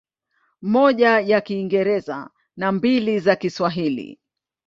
Moja ya Kiingereza na mbili za Kiswahili.